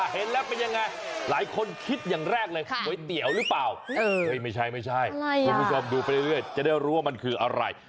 เห็นแล้วเป็นยังไงหลายคนคิดอย่างแรกเลยก๋วยเตี๋ยวหรือเปล่าไม่ใช่ไม่ใช่คุณผู้ชมดูไปเรื่อยจะได้รู้ว่ามันคืออะไร